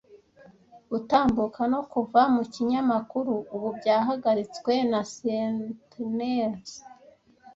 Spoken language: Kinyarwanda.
Gutambuka no kuva mu kinyamakuru ubu byahagaritswe na sentinels,